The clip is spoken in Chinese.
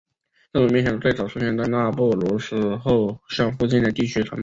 这种面条最早出现在纳布卢斯而后向附近的地区传播。